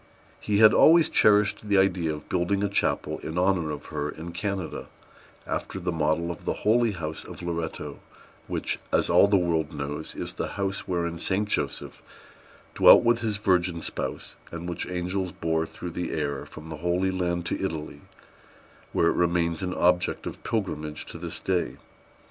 He had always cherished the idea of building a chapel in honor of her in Canada, after the model of the Holy House of Loretto, which, as all the world knows, is the house wherein Saint Joseph dwelt with his virgin spouse, and which angels bore through the air from the Holy Land to Italy, where it remains an object of pilgrimage to this day.